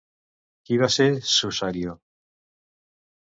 Qui va ser Susarió?